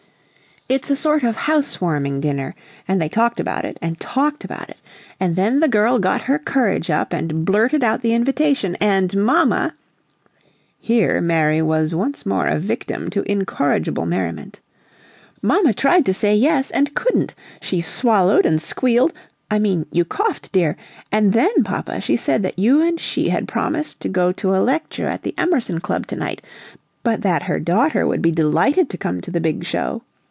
It's a sort of house warming dinner, and they talked about it and talked about it and then the girl got her courage up and blurted out the invitation. And mamma " Here Mary was once more a victim to incorrigible merriment. "Mamma tried to say yes, and COULDN'T! She swallowed and squealed I mean you coughed, dear! And then, papa, she said that you and she had promised to go to a lecture at the Emerson Club to night, but that her daughter would be delighted to come to the Big Show!